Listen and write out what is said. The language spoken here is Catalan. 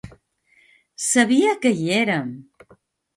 Sabia que hi érem.